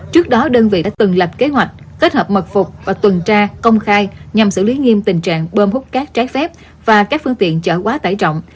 trước đó đơn vị đã từng lập kế hoạch kết hợp mật phục và tuần tra công khai nhằm xử lý nghiêm tình trạng bơm hút cát trái phép và các phương tiện chở quá tải trọng